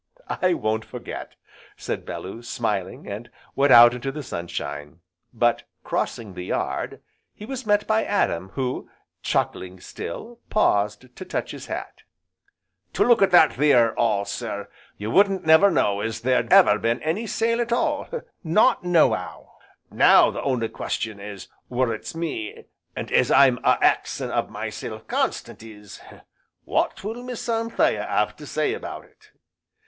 "I won't forget," said Bellew, smiling, and went out into the sunshine. But, crossing the yard, he was met by Adam, who, chuckling still, paused to touch his hat. "To look at that theer 'all, sir, you wouldn't never know as there'd ever been any sale at all, not no'ow. Now the only question as worrits me, and as I'm a axin' of myself constant is, what will Miss Anthea 'ave to say about it?"